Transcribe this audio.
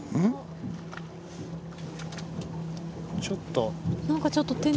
ちょっと。